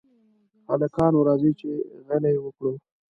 هلکانو! راځئ چې غېلې وکړو.